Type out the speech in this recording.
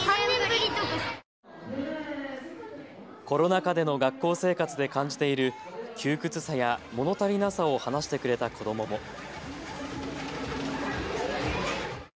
コロナ禍での学校生活で感じている窮屈さやもの足りなさを話してくれた子どもも。